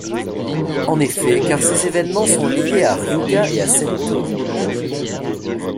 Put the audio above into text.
En effet car ces évènements sont liés à Ryuga et à Sento.